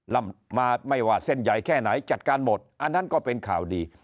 มาไม่ว่าเส้นใหญ่แค่ไหนจัดการหมดอันนั้นก็เป็นข่าวดี